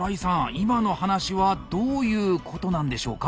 今の話はどういうことなんでしょうか？